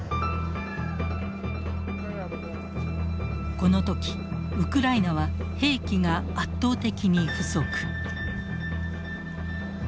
この時ウクライナは兵器が圧倒的に不足。